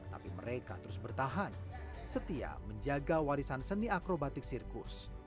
tapi mereka terus bertahan setia menjaga warisan seni akrobatik sirkus